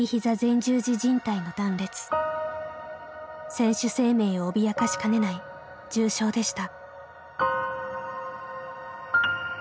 選手生命を脅かしかねない重傷でした。